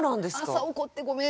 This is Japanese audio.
朝怒ってごめん。